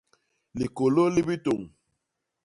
Likôlôl li bitôñ.